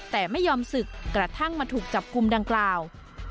แต่ไม่ยอมศึกกระทั่งมาถูกจับกลุ่มดังกล่าว